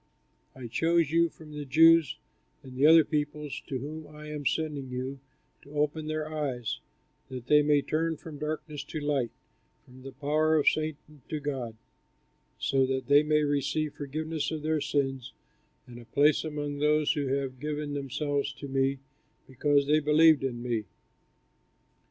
I chose you from the Jews and the other peoples to whom I am sending you to open their eyes, that they may turn from darkness to light, from the power of Satan to God, so that they may receive forgiveness of their sins and a place among those who have given themselves to me because they believe in me."